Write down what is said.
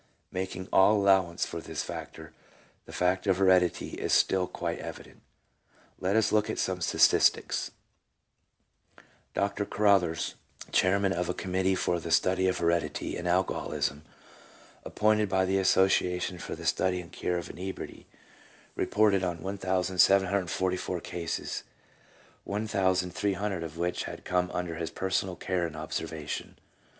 Making all allow ance for this factor, the fact of heredity is still quite evident. Let us look at some statistics. Dr. Crothers, chairman of a Committee for the Study of Heredity and Alcoholism, appointed by the Association for the Study and Cure of Inebriety, reported on 1,744 cases, 1,300 of which had come under his personal care and observation.